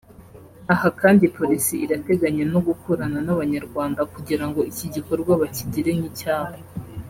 Aha kandi Polisi irateganya no gukorana n’abanyarwanda kugira ngo iki gikorwa bakigire nk’icyabo